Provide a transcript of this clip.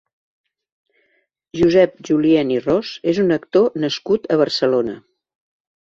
Josep Julien i Ros és un actor nascut a Barcelona.